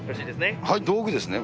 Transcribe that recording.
道具ですね。